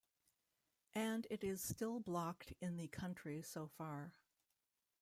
And it is still blocked in the country so far.